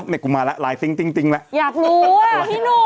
ผมมาล่ะจริงจริงจริงละอยากรู้ว่าพี่นุ่ม